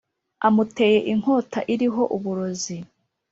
amuteye inkota iriho uburoz